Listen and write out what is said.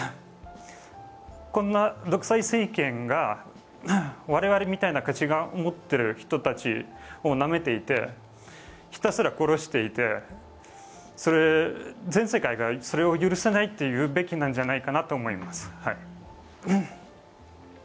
こんな独裁政権が我々みたいな価値観を持っている人たちをなめていてひたすら殺していて全世界がそれを許さないと言うべきなんじゃないかなと思います。